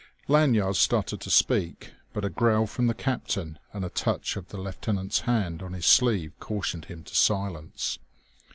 Lanyard started to speak, but a growl from the captain, and a touch of the lieutenant's hand on his sleeve cautioned him to silence.